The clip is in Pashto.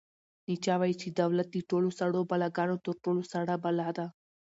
نیچه وایي چې دولت د ټولو سړو بلاګانو تر ټولو سړه بلا ده.